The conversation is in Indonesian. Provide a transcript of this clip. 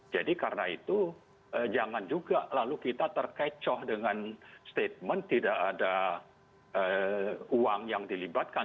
jadi karena itu jangan juga lalu kita terkecoh dengan statement tidak ada uang yang dilibatkan